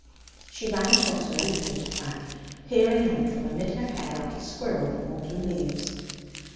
She ran across and opened it a crack, peering out from amid her hair like a squirrel from autumn leaves.